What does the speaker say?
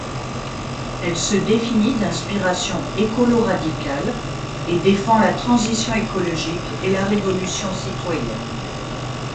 Elle se définit d’inspiration écolo-radicale et défend la transition écologique et la révolution citoyenne.